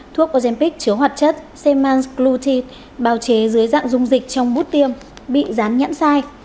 thuốc ojempic chứa hoạt chất seman sluet bào chế dưới dạng dung dịch trong bút tiêm bị rán nhãn sai